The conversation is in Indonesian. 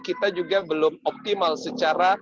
kita juga belum optimal secara